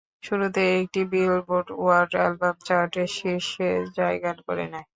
শুরুতে এটি Billboard World album চার্টে শীর্ষে জায়গা করে নেয়।